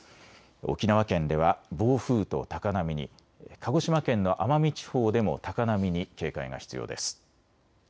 沖縄県では暴風と高波に、鹿児島県の奄美地方でも高波に警戒が必要です。